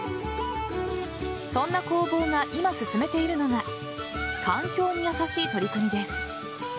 そんな工房が今、進めているのが環境に優しい取り組みです。